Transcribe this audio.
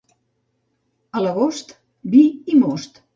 A l'agost, vi i most.